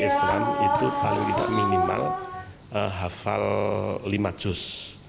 islam itu paling tidak minimal hafal lima juz